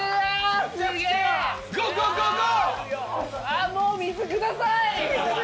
あっもう水ください！